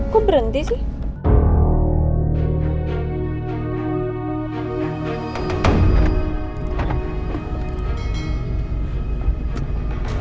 kok berhenti sih